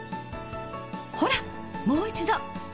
ほらもう一度。